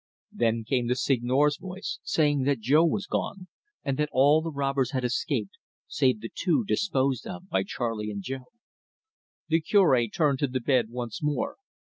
Then came the Seigneur's voice saying that Jo was gone, and that all the robbers had escaped, save the two disposed of by Charley and Jo. The Cure turned to the bed once more.